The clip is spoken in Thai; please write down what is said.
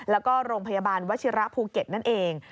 แล้วก็โรงพยาบาลวชิระภูเก็ตนั่นเอง